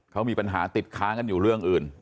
เขามีปัญหาติดค้างกันอยู่เรื่องอื่น